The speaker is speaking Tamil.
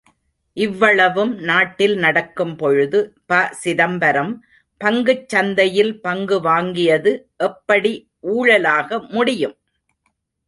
இவ்வளவும் நாட்டில் நடக்கும்பொழுது ப.சிதம்பரம் பங்குச் சந்தையில் பங்கு வாங்கியது எப்படி ஊழலாக முடியும்?